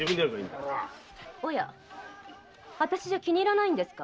あたしじゃ気に入らないんですか。